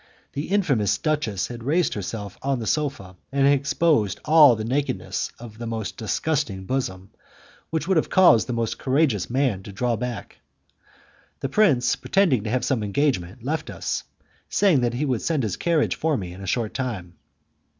The infamous duchess had raised herself on the sofa and exposed all the nakedness of the most disgusting bosom, which would have caused the most courageous man to draw back. The prince, pretending to have some engagement, left us, saying that he would send his carriage for me in a short time.